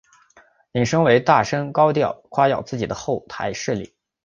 引申为大声高调夸耀自己的后台势力。